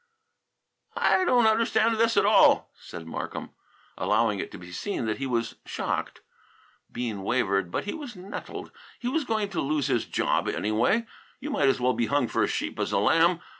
"I don't understand this at all," said Markham, allowing it to be seen that he was shocked. Bean wavered, but he was nettled. He was going to lose his job anyway. You might as well be hung for a sheep as a lamb.